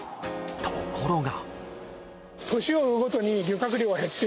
ところが。